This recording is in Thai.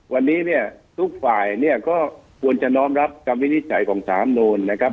วันนี้เนี่ยทุกฝ่ายเนี่ยก็ควรจะน้อมรับคำวินิจฉัยของสามโนนนะครับ